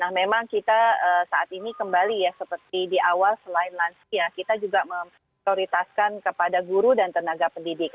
nah memang kita saat ini kembali ya seperti di awal selain lansia kita juga memprioritaskan kepada guru dan tenaga pendidik